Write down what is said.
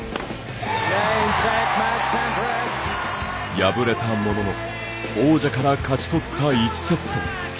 破れたものの王者から勝ち取った１セット。